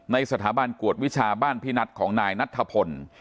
ในสถาบันกวดวิชาบ้านพี่นัทของนายนัทธพล